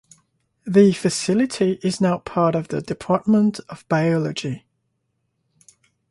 The facility is now part of the department of biology.